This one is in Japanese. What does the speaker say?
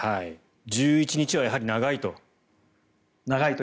１１日はやはり長いと。